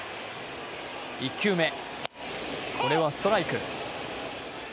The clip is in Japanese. １球目、これはストライク。